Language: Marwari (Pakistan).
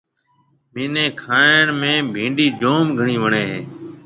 ميني کائڻ ۾ ڀِنڊِي جوم گھڻِي وڻيَ هيَ۔